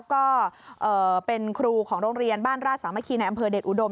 ก็เป็นครูของโรงเรียนบ้านราชสามัคคีในอำเภอเดชอุดม